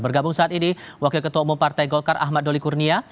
bergabung saat ini wakil ketua umum partai golkar ahmad doli kurnia